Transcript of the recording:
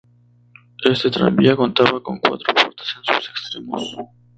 Este tranvía contaba con cuatro puertas en sus extremos.